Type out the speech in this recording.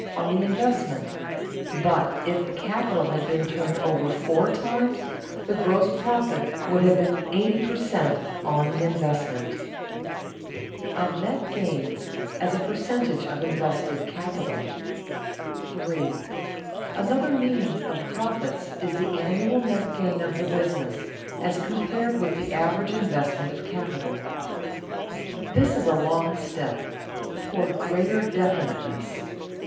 on the investment; but, if the capital had been turned over four times, the gross profit would have been eighty per cent. on the investment. [Sidenote: Of net gains as a percentage of invested capital] 3. Another meaning of profits is the annual net gain of the business, as compared with the average investment of capital. This is a long step toward greater definiteness.